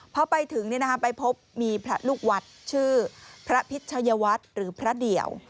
พอไปถึงไปพบมีพระลูกวัดชื่อพระพิชยวัฒน์หรือพระเดี่ยว